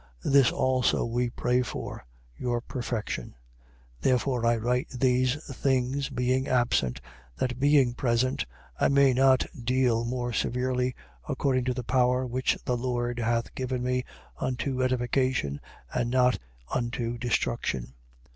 This also we pray for, your perfection. 13:10. Therefore I write these things, being absent, that, being present, I may not deal more severely, according to the power which the Lord hath given me unto edification and not unto destruction.